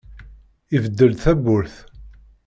Ibeddel-d tawwurt.